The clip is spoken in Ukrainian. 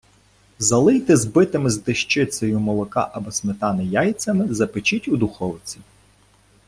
Залийте збитими з дещицею молока або сметани яйцями, запечіть у духовці.